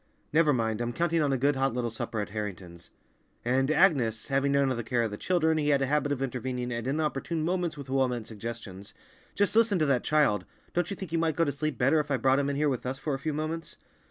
"Never mind, I'm counting on a good hot little supper at Harrington's. And, Agnes—" having none of the care of the children, he had a habit of intervening at inopportune moments with well meant suggestions—"just listen to that child! Don't you think he might go to sleep better if I brought him in here with us for a few moments?"